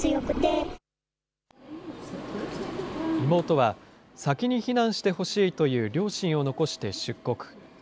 妹は、先に避難してほしいという両親を残して出国。